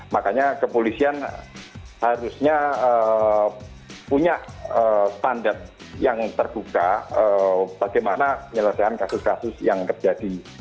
makanya kepolisian harusnya punya standar yang terbuka bagaimana penyelesaian kasus kasus yang terjadi